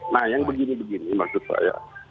nah yang begini begini maksud saya